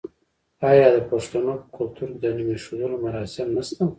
آیا د پښتنو په کلتور کې د نوم ایښودلو مراسم نشته؟